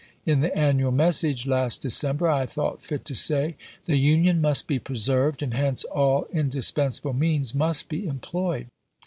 In the annual message last December, I thought fit to say, "The Union must be preserved; and hence, all indispensable means must be employed."